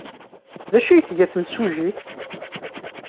D acu ay tga temsujjit?